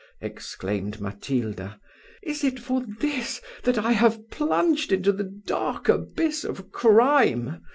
exclaimed Matilda; "is it for this that I have plunged into the dark abyss of crime?